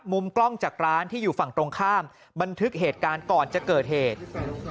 มุมกล้องจากร้านที่อยู่ฝั่งตรงข้ามบันทึกเหตุการณ์ก่อนจะเกิดเหตุ